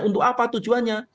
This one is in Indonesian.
untuk apa tujuannya